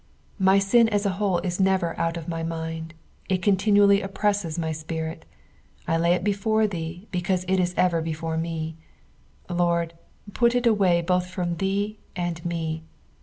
My sin as a whole is never out of my mind ; it continually oppresses my spirit, I lay it before ^thee because it is ever before mo : Lord, put it away both from thee and me.